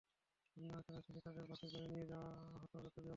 বিভিন্ন আনুষ্ঠানিকতা শেষে তাঁদের বাসে করে নিয়ে যাওয়া হতো চট্টগ্রাম বন্দরে।